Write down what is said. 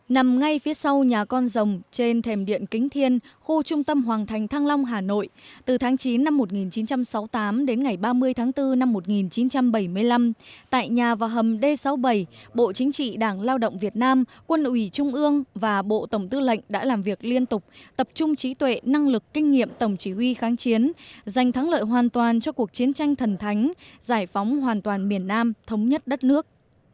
nằm ngay phía sau nhà con rồng trên thềm điện kính thiên khu trung tâm hoàng thành thăng long hà nội từ tháng chín năm một nghìn chín trăm sáu mươi tám đến ngày ba mươi tháng bốn năm một nghìn chín trăm bảy mươi năm tại nhà và hầm d sáu mươi bảy bộ chính trị đảng lao động việt nam quân ủy trung ương và bộ tổng tư lệnh đã làm việc liên tục tập trung trí tuệ năng lực kinh nghiệm tổng chỉ huy kháng chiến dành thắng lợi hoàn toàn cho cuộc chiến tranh thần thánh giải phóng hoàn toàn miền nam thống nhất đất nước